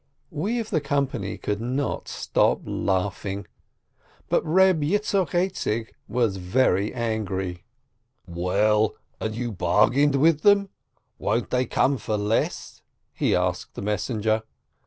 We of the company could not stop laughing, but Eeb Yitzchok Aizik was very angry. "Well, and you bargained with them? Won't they come for less ? he asked the messenger.